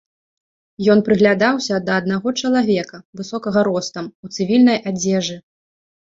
Ён прыглядаўся да аднаго чалавека, высокага ростам, у цывільнай адзежы.